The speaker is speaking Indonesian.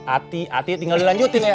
ati ati tinggal dilanjutin ya